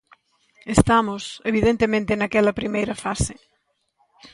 Estamos, evidentemente, naquela primeira fase.